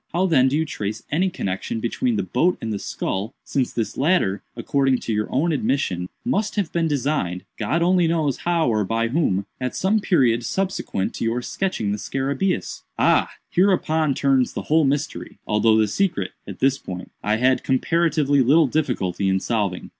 How then do you trace any connexion between the boat and the skull—since this latter, according to your own admission, must have been designed (God only knows how or by whom) at some period subsequent to your sketching the scarabæus?" "Ah, hereupon turns the whole mystery; although the secret, at this point, I had comparatively little difficulty in solving.